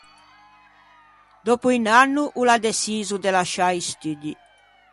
Dòppo un anno o l’à deçiso de lasciâ i studdi.